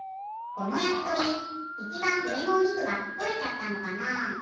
このやきとりいちばんうえのおにくがとれちゃったのかな？